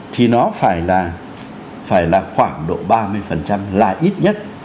thì nó phải là phải là khoảng độ ba mươi là ít nhất